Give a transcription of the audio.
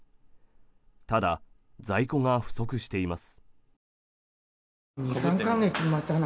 ただ、在庫が不足しています。